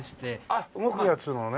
あっ動くやつのね。